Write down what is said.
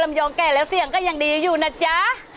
ยองแก่แล้วเสียงก็ยังดีอยู่นะจ๊ะ